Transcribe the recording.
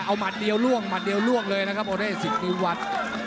เอาหัดเดียวล่วงหัดเดียวล่วงเลยนะครับโอเดสิทธิวัฒน์